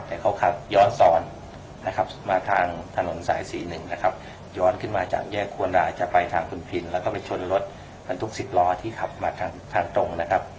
แต่เขาขับย้อนซอนมาทางถนนสาย๔๑ย้อนขึ้นมาจากแยกควรรายจะไปทางคุณพิลแล้วก็ไปชนรถบรรทุกสิบล้อที่ขับมาทางตรง